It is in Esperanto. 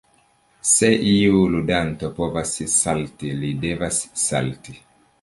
Se iu ludanto povas salti li devas salti.